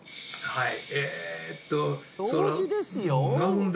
はい。